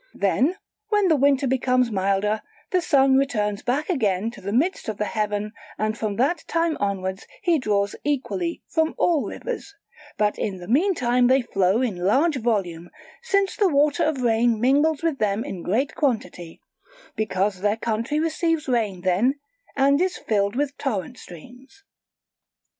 Then when the winter becomes milder, the Sun returns back again to the midst of the heaven, and from that time onwards he draws equally from all rivers; but in the meantime they flow in large volume, since water of rain mingles with them in great quantity, because their country receives rain then and is filled with torrent streams.